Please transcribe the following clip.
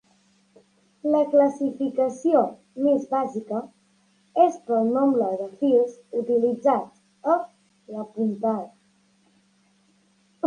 La classificació més bàsica és pel nombre de fils utilitzats a la puntada.